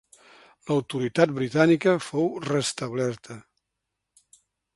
L'autoritat britànica fou restablerta.